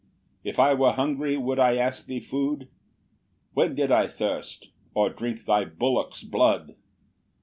9 "If I were hungry, would I ask thee food? "When did I thirst, or drink thy bullocks blood?